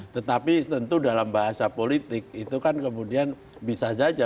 tetapi tentu dalam bahasa politik itu kan kemudian bisa saja